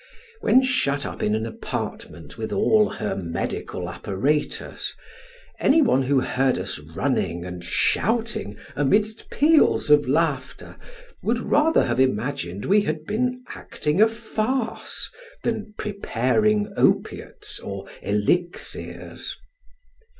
When shut up in an apartment with all her medical apparatus, any one who had heard us running and shouting amidst peals of laughter would rather have imagined we had been acting a farce than preparing opiates or elixirs.